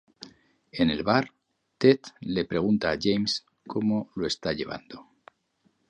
En el bar, Ted le pregunta a James cómo lo está llevando.